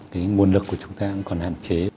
cái nguồn lực của chúng ta còn hạn chế